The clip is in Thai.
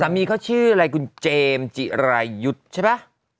สามีเขาชื่ออะไรคุณเจมส์จิรัยุทรใช่ปะ